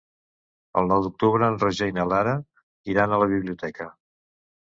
El nou d'octubre en Roger i na Lara iran a la biblioteca.